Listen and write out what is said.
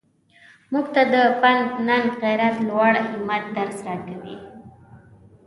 موږ ته د پند ننګ غیرت لوړ همت درس راکوي.